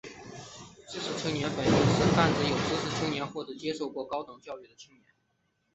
知识青年本义是泛指有知识的青年或者接受过高等教育的青年。